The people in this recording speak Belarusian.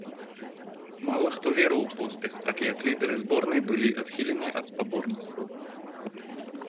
Мала хто верыў у поспех, так як лідары зборнай былі адхіленыя ад спаборніцтваў.